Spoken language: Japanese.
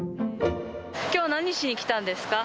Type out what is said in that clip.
きょうは何しに来たんですか？